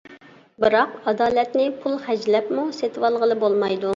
بىراق ئادالەتنى پۇل خەجلەپمۇ سېتىۋالغىلى بولمايدۇ.